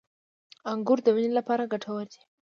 • انګور د وینې لپاره ګټور دي.